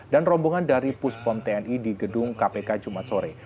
dan rombongan dari puspom tni di gedung kpk jumat sore